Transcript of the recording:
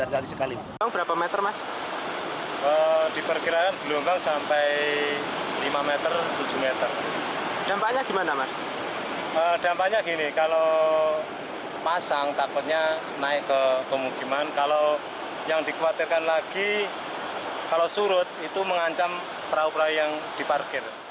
dampaknya gini kalau pasang takutnya naik ke pemukiman kalau yang dikhawatirkan lagi kalau surut itu mengancam perahu perahu yang diparkir